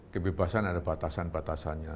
kebebasan ada batasan batasannya